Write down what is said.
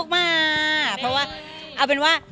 ไม่